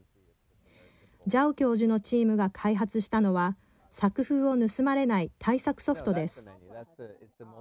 ジャオ教授のチームが開発したのは作風を盗まれない対策ソフトです。